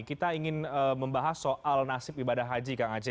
kita ingin membahas soal nasib ibadah haji kang aceh